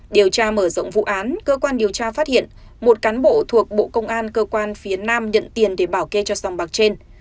điều tra mở rộng vụ án cơ quan điều tra phát hiện một cán bộ thuộc bộ công an cơ quan phía nam nhận tiền để bảo kê cho sòng bạc trên